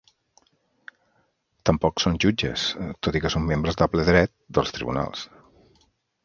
Tampoc són jutges, tot i que són membres de ple dret dels tribunals.